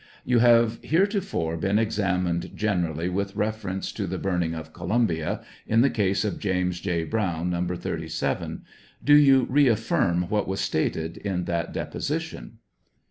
You have heretofore been examined generally with reference to the burning of Columbia, in the case of James J. Browne, No. 37 ; do you re aflSrm what was stated in that deposition